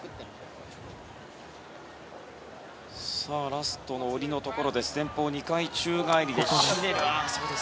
ラストの下りのところ前方２回宙返りでした。